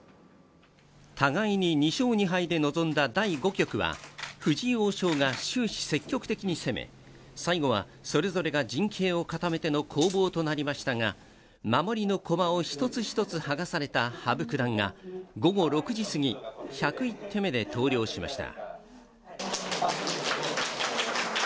互いに２勝２敗で臨んだ第５局は藤井王将が終始積極的に攻め最後は、それぞれが陣形を固めての攻防となりましたが守りの駒を一つ一つはがされた羽生九段が午後６時すぎ、１０１手目で投了しました。